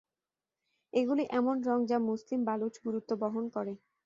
এগুলি এমন রঙ যা মুসলিম বালুচ গুরুত্ব বহন করে।